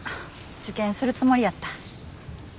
受験するつもりやった。